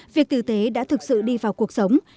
việc tử tế đã thực sự đi vào cuộc sống